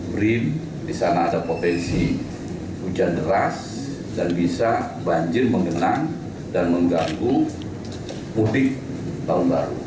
brin di sana ada potensi hujan deras dan bisa banjir mengenang dan mengganggu mudik tahun baru